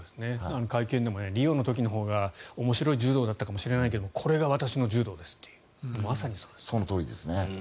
会見でもリオの時のほうが面白い柔道だったかもしれないけれどもこれが私の柔道ですというまさにそうです。